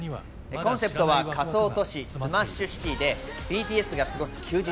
コンセプトは仮想都市スマッシュシティーでＢＴＳが過ごす休日。